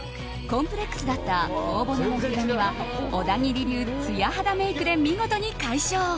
コンプレックスだった頬骨の膨らみは小田切流つや肌メイクで見事に解消。